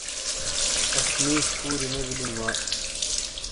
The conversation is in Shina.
اش نیش پوری نے بلی وا